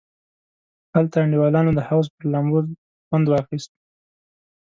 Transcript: هلته انډیوالانو د حوض پر لامبو خوند واخیست.